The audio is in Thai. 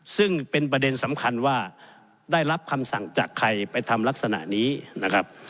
ซึ่งเป็นประเด็นสำคัญว่าได้รับคำสั่งจากใครไปทำลักษณะนี้นะครับ